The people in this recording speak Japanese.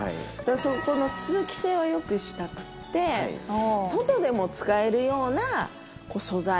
そこの通気性を良くしたくって外でも使えるような素材。